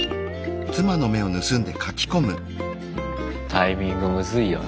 タイミングムズいよな。